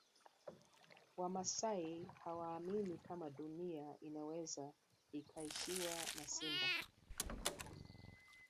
Wamasai hawaamini kama Dunia inaweza ikaishiwa na simba